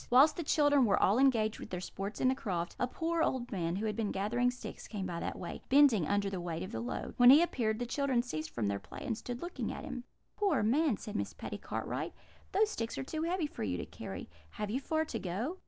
"Whilst the children were all engaged with their sports in the croft, a poor old man, who had been gathering sticks, came by that way, bending under the weight of the load. When he appeared, the children ceased from their play, and stood looking at him. "'Poor man!' said Miss Patty Cartwright, 'those sticks are too heavy for you to carry. Have you far to go?'